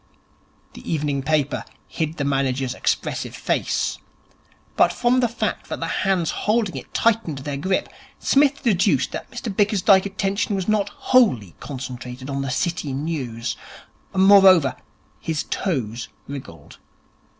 The evening paper hid the manager's expressive face, but from the fact that the hands holding it tightened their grip Psmith deduced that Mr Bickersdyke's attention was not wholly concentrated on the City news. Moreover, his toes wriggled.